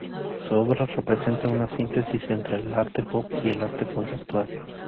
Su obra presenta una síntesis entre el arte pop y el arte conceptual.